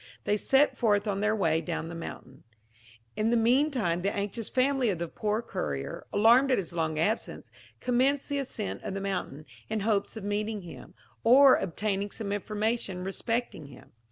They set forth on their way down the mountain. In the mean time the anxious family of the poor courier, alarmed at his long absence, commenced the ascent of the mountain, in hopes of meeting him, or obtaining some information respecting him.